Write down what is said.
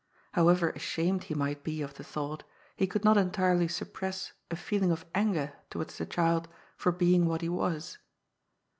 Howeyer ashamed he might be of the thought, he could not entirely suppress a feeling of anger towards the child for being what he was.